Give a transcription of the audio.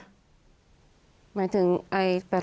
หมายถึงอะไรเป็น